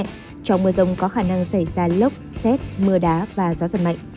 trong mưa rông có khả năng xảy ra lốc xét mưa đá và gió giật mạnh